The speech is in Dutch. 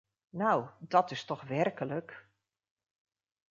Nou, dat is toch werkelijk...